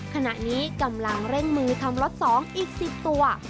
ขณะนี้กำลังเร่งมือทำล็อต๒อีก๑๐ตัว